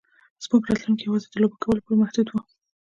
زموږ راتلونکی یوازې د لوبو کولو پورې محدود و